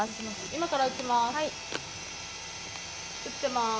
今から撃ちます。